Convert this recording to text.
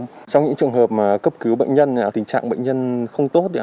trong những trường hợp mà cấp cứu bệnh nhân tình trạng bệnh nhân không tốt